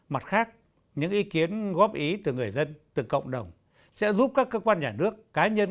mặt khác những ý kiến góp ý từ người dân từ cộng đồng sẽ giúp các cơ quan nhà nước cá nhân